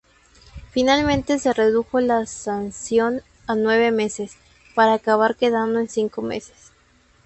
Finalmente se redujo la sanción a nueve meses, para acabar quedando en cinco meses.